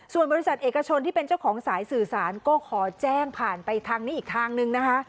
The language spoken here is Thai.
ส่วนบริษัทเอกชนที่เป็นเจ้าของสายสื่อสารก็ขอแจ้งผ่านไปทางนี้อีกทางนึงนะคะ